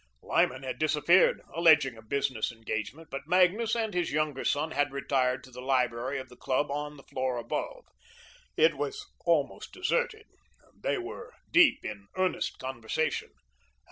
Lyman had disappeared, alleging a business engagement, but Magnus and his younger son had retired to the library of the club on the floor above. It was almost deserted. They were deep in earnest conversation.